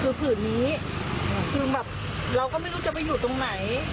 คือแบบเราก็ไม่รู้จะไปอยู่ตรงไหน